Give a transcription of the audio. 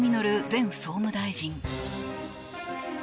前総務大臣。